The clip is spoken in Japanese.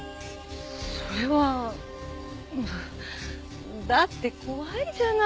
それは。だって怖いじゃない！